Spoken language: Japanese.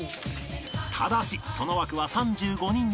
ただしその枠は３５人のみ